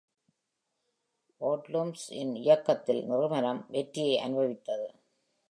Odlums இன் இயக்கத்தில் நிறுவனம் வெற்றியை அனுபவித்தது.